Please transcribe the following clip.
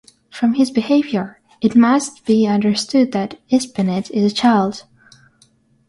From his behavior, it must be understood that Espinete is a child.